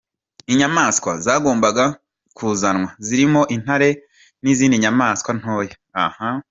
Inyamaswa zagombaga kuzanwa zirimo intare n’izindi nyamaswa ntoya.